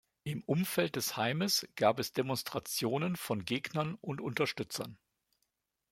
Im Umfeld des Heimes gab es Demonstrationen von Gegnern und Unterstützern.